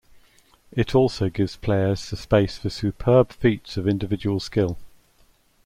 It also gives players the space for superb feats of individual skill.